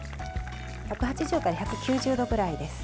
１８０から１９０度くらいです。